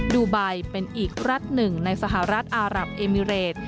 ดูไบเป็นอีกรัฐหนึ่งในสหรัฐอารับเอมิเรต